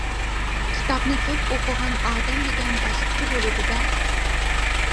-كىتابنى كۆپ ئوقۇغان ئادەم دېگەن باشقىچە بولىدۇ دە!